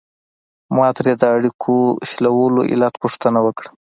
ما ترې د اړیکو شلولو علت پوښتنه وکړه.